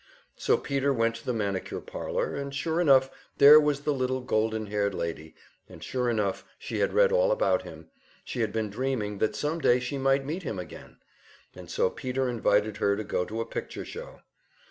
So Peter went to the manicure parlor, and sure enough, there was the little golden haired lady; and sure enough, she had read all about him, she had been dreaming that some day she might meet him again and so Peter invited her to go to a picture show.